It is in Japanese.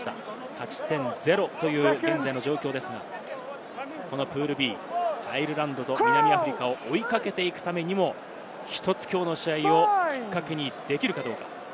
勝ち点０という現在の状況ですが、このプールＢ、アイルランドと南アフリカを追いかけていくためにも１つきょうの試合をきっかけにできるかどうか。